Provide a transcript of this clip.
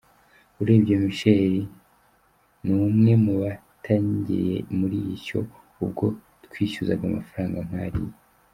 Urebye Michael ni umwe mu batangiriye muri Ishyo ubwo twishyuzaga amafaranga nkariya.